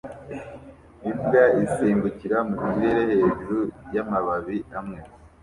Imbwa isimbukira mu kirere hejuru yamababi amwe